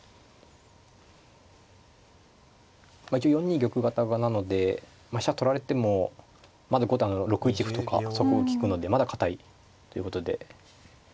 一応４二玉型なので飛車取られてもまだ後手は６一歩とかそこも利くのでまだ堅いということで。